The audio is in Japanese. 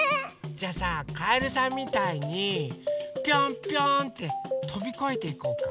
じゃあさかえるさんみたいにぴょんぴょんってとびこえていこうか？